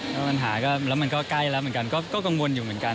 แล้วปัญหาก็แล้วมันก็ใกล้แล้วเหมือนกันก็กังวลอยู่เหมือนกัน